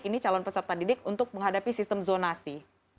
ini calon peserta didik untuk menghadapi sistem zonasi